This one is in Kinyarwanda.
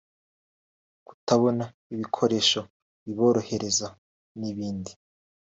kutabona ibikoresho biborohereza n’ibindi